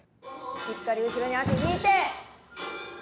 しっかり後ろに足引いて。